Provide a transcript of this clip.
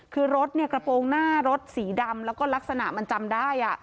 คือรถเนี่ยกระโปรงหน้ารถสีดำแล้วก็ลักษณะมันจำได้